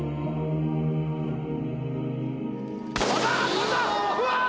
飛んだ！うわ！